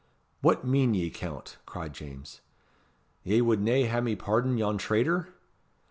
"What mean ye, Count?" cried James. "Ye wad na hae me pardon yon traitor?"